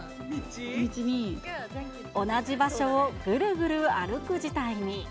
同じ場所をぐるぐる歩く事態に。